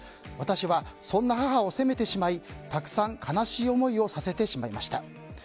私は、そんな母を責めてしまいたくさん悲しい思いをさせてしまいました。